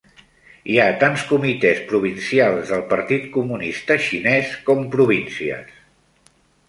Hi ha tants comitès provincials del Partit Comunista Xinès com províncies.